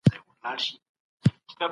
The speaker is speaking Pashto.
هغه غوښتل چي نړۍ منظمه کړي.